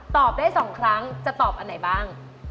ตอบได้๒ครั้งจะตอบอันไหนบ้าง